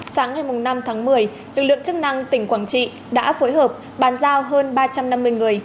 sáng ngày năm tháng một mươi lực lượng chức năng tỉnh quảng trị đã phối hợp bàn giao hơn ba trăm năm mươi người